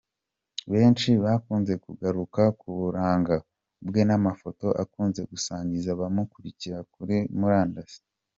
benshi bakunze kugaruka ku buranga bwe n’amafoto akunze gusangiza abamukurikira kuri murandasi .